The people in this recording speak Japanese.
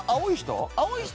青い人？